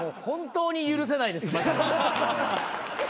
本当に許せないです。